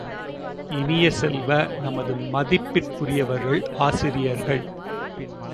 இனிய செல்வ, நமது மதிப்பிற்குரியவர்கள் ஆசிரியர்கள்!